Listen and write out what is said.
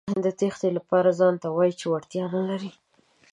د تېښتې لپاره ځانته وايئ چې وړتیا نه لرئ.